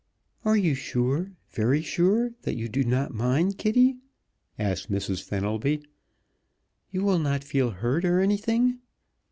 "Are you sure, very sure, that you do not mind, Kitty?" asked Mrs. Fenelby. "You will not feel hurt, or anything?"